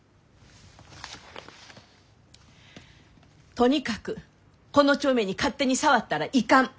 とにかくこの帳面に勝手に触ったらいかん。